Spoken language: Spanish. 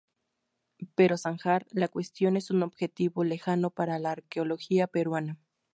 Pero zanjar la cuestión es un objetivo lejano para la arqueología peruana.